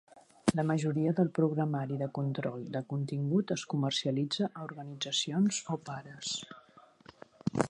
La majoria del programari de control de contingut es comercialitza a organitzacions o pares.